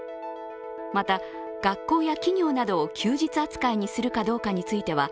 また学校や企業などを休日扱いにするかどうかについては